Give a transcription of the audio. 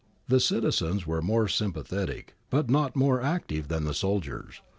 ^ The citizens were more sympathetic but not more active than the soldiers.